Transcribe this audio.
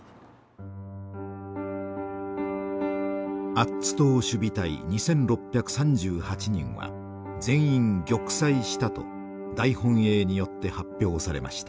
アッツ島守備隊２，６３８人は全員玉砕したと大本営によって発表されました。